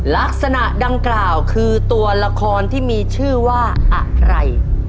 ลักษณะดังกล่าวคือตัวละครที่มีชื่อว่าอะไร